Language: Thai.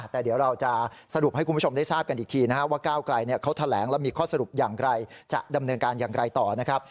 แต่เดี๋ยวเราจะสรุปให้คุณผู้ชมได้ทราบกันอีกทีนะครับว่าก้าวไกลเขาแถลงแล้วมีข้อสรุปอย่างไรจะดำเนินการอย่างไรต่อนะครับ